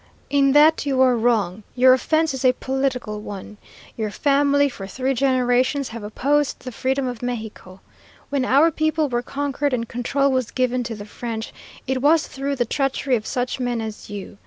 In that you are wrong. Your offense is a political one. Your family for three generations have opposed the freedom of Mexico. When our people were conquered and control was given to the French, it was through the treachery of such men as you.